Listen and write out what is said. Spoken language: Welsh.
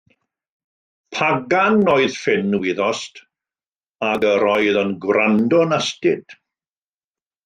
Pagan oedd Ffinn, wyddost, ac yr oedd yn gwrando'n astud.